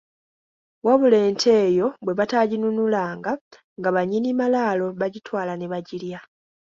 Wabula ente eyo bwe bataaginunulanga nga bannyini malaalo bagitwala ne bagirya.